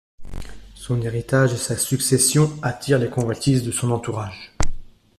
Son héritage et sa succession attirent les convoitises de son entourage.